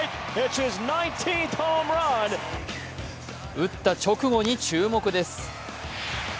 打った直後に注目です。